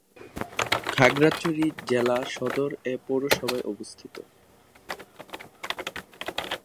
খাগড়াছড়ি জেলা সদর এ পৌরসভায় অবস্থিত।